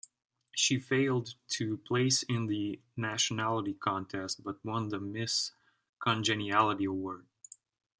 She failed to place in the nationally contest, but won the Miss Congeniality award.